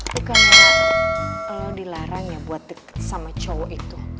bukannya lo dilarang ya buat deket sama cowok itu